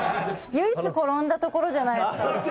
唯一転んだところじゃないですか。